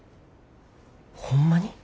ホンマに？